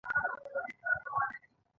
په دغې ليکنې کې د نرس او ډاکټر خبرې راوړې.